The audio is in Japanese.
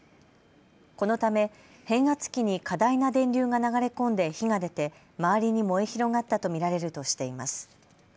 このため変圧器に過大な電流が流れ込んで火が出て周りに燃え広がったと見られるとしています。